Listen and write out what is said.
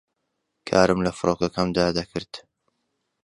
کارم لە فڕۆکەکەمدا دەکرد